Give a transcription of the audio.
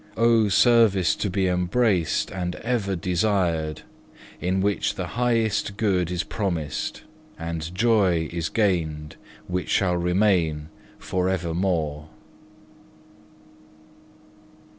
Oh service to be embraced and ever desired, in which the highest good is promised, and joy is gained which shall remain for evermore!